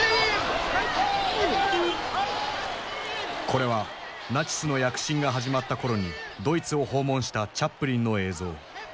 これはナチスの躍進が始まった頃にドイツを訪問したチャップリンの映像。